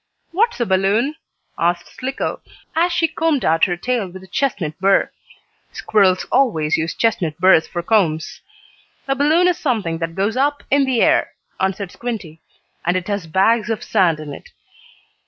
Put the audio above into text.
"What's a balloon?" asked Slicko, as she combed out her tail with a chestnut burr. Squirrels always use chestnut burrs for combs. "A balloon is something that goes up in the air," answered Squinty, "and it has bags of sand in it."